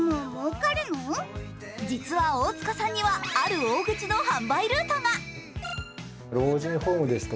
実は大塚さんには、ある大口の販売ルートが。